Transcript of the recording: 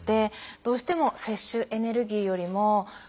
どうしても摂取エネルギーよりも。